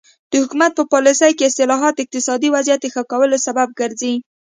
د حکومت په پالیسۍ کې اصلاحات د اقتصادي وضعیت د ښه کولو سبب ګرځي.